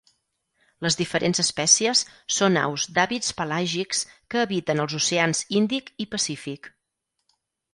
Les diferents espècies són aus d'hàbits pelàgics que habiten als oceans Índic i Pacífic.